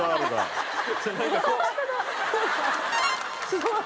すごい。